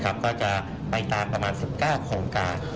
ก็จะไปตามประมาณ๑๙โครงการ